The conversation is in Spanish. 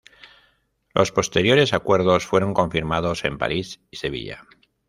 Los posteriores acuerdos fueron confirmados en París y Sevilla.